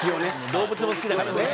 動物も好きだからね。